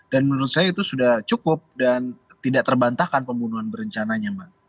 dan menurut saya itu sudah cukup dan tidak terbantahkan pembunuhan berencananya